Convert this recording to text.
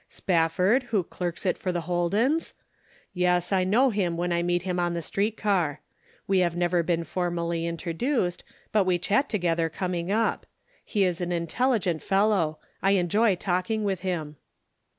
" Spafford, who clerks it for the Holdens ? Yes, I know him when I meet him on the street car. We have never been formally introduced, but we chat together coming up ; he is an intelligent fellow ; I enjoy talking with him."